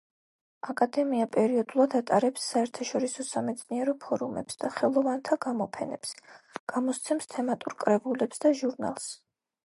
აკადემია პერიოდულად ატარებს საერთაშორისო სამეცნიერო ფორუმებს და ხელოვანთა გამოფენებს, გამოსცემს თემატურ კრებულებს და ჟურნალს.